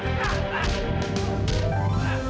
eh pengek pengek